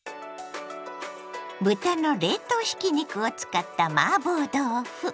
豚の冷凍ひき肉を使ったマーボー豆腐。